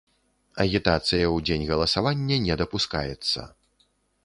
Агітацыя ў дзень галасавання не дапускаецца.